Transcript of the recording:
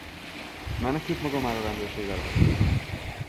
Menekült maga már a rendőrség elől?